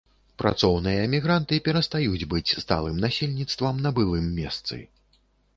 Працоўныя мігранты перастаюць быць сталым насельніцтвам на былым месцы.